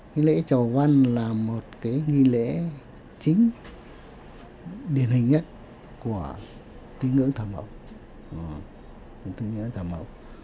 nghi lễ chầu văn là một cái nghi lễ chính điển hình nhất của tín ngưỡng thờ mẫu